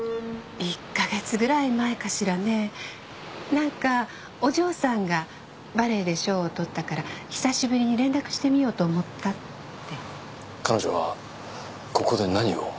１ヵ月ぐらい前かしらねなんかお嬢さんがバレエで賞を取ったから久しぶりに連絡してみようと思ったって彼女はここで何を？